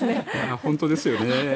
本当ですよね。